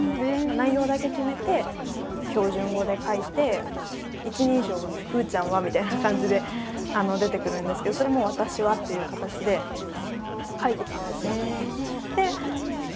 内容だけ決めて標準語で書いて一人称が「うーちゃんは」みたいな感じで出てくるんですけどそれも「私は」っていう形で書いてたんですよ。